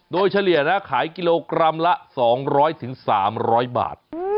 โดยเฉลี่ยนะขายกิโลกรัมละ๒๐๐๓๐๐บาท